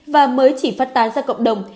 và mới chỉ phát tán ra cộng đồng